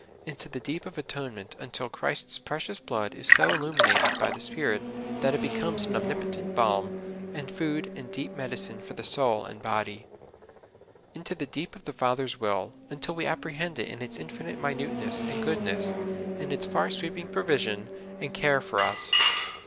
Into the deep of atonement, until Christ's precious blood is so illuminated by the Spirit that it becomes an omnipotent balm, and food and deep medi INTO THK DEEP. 87 cine for the soul and body. Into the deep of the Father's will, until we apprehend it in its infinite mi nuteness and goodness, and its far sweeping provision and care for us.